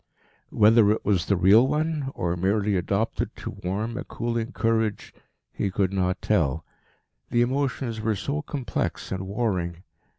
Whether it was the real one, or merely adopted to warm a cooling courage, he could not tell. The emotions were so complex and warring.